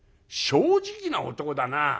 「正直な男だな。